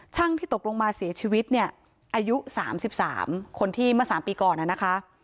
ช่างที่ตกลงมาเสียชีวิตเนี่ยอายุสามสิบสามคนที่มาสามปีก่อนนะคะ